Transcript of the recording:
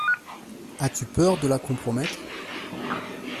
As-tu peur de la compromettre ?